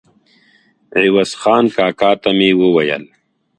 عوض خان کاکا ته مې وویل.